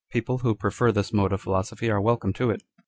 People who prefer this mode of philosophy are welcome to it.